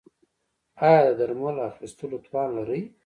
ایا د درملو اخیستلو توان لرئ؟